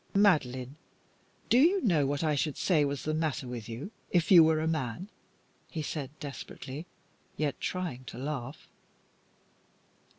"Madeline, do you know what I should say was the matter with you if you were a man?" he said, desperately, yet trying to laugh.